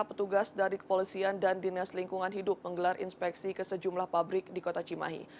petugas dari kepolisian dan dinas lingkungan hidup menggelar inspeksi ke sejumlah pabrik di kota cimahi